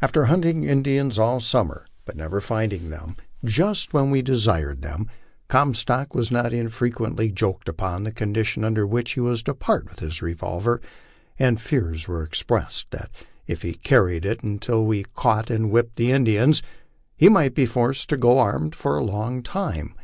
After hunting Indians all summer, but never finding them just when we desired them, Comstock was not unfreqncntly joked upon the conditions under which he was to part with his revolver, and fears were expressed that if ha carried it until we caught and whipped the Indians, he might be forced to go armed for a long time.